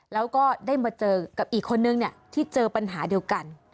แล้วก็ได้มาเจอกับอีกคนนึงที่เจอปัญหาเดียวกัน